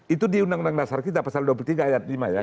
itu di undang undang dasar kita pasal dua puluh tiga ayat lima ya